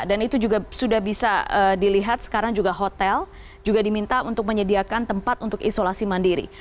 dan itu juga sudah bisa dilihat sekarang juga hotel juga diminta untuk menyediakan tempat untuk isolasi mandiri